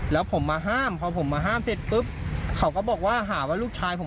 แล้วผมมาห้ามพอผมมาห้ามเสร็จปุ๊บเขาก็บอกว่าหาว่าลูกชายผม